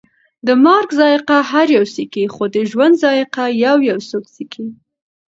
د مرګ ذائقه هر یو څکي، خو د ژوند ذائقه یویو څوک څکي